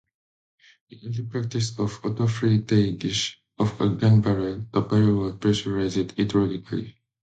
In early practice of autofrettage of a gun barrel, the barrel was pressurized hydraulically.